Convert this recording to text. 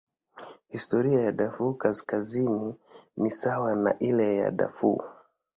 Historia ya Darfur Kaskazini ni sawa na ile ya Darfur.